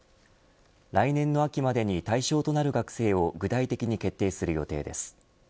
来年の秋までに対象となる学生を具体的に決定する予定です。